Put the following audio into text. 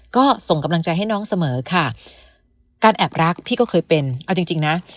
ก็ส่งกำลังใจให้น้องเสมอค่ะการแอบรักพี่ก็เคยเป็นเอาจริงจริงนะ